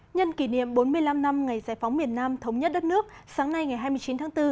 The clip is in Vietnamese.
nhân kỷ niệm bốn mươi năm năm ngày giải phóng miền nam thống nhất đất nước sáng nay ngày hai mươi chín tháng bốn